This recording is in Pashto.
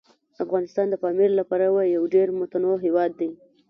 افغانستان د پامیر له پلوه یو ډېر متنوع هیواد دی.